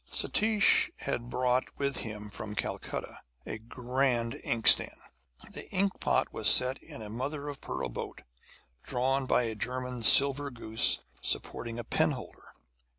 Satish had brought with him from Calcutta a grand inkstand. The inkpot was set in a mother of pearl boat drawn by a German silver goose supporting a penholder.